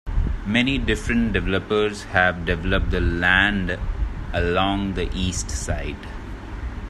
Many different developers have developed the land along the east side.